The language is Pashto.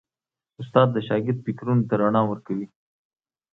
استاد د شاګرد فکرونو ته رڼا ورکوي.